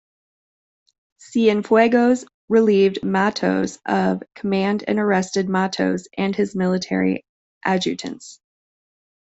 Cienfuegos relieved Matos of command and arrested Matos and his military adjutants.